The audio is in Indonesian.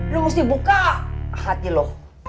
lu mesti buka hati lu